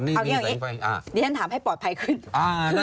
เอาอย่างนี้ดิฉันถามให้ปลอดภัยขึ้น